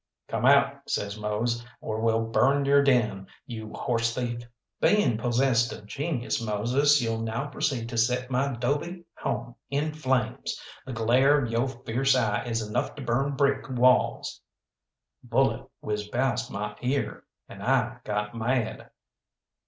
"Come out," says Mose, "or we'll burn your den, you horse thief!" "Bein' possessed of genius, Moses, you'll now proceed to set my 'dobe home in flames. The glare of yo' fierce eye is enough to burn brick walls." A bullet whizzed past my ear, and I got mad.